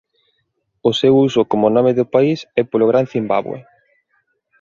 O seu uso como nome do país é polo Gran Cimbabue.